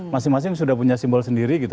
masing masing sudah punya simbol sendiri gitu